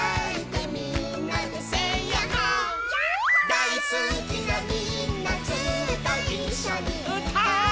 「だいすきなみんなずっといっしょにうたおう」